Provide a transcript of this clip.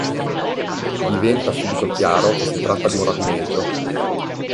Diventa subito chiaro che si tratta di un rapimento.